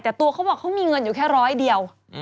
แต่ตัวเขาบอกเขามีเงินอยู่แค่ร้อยเดียว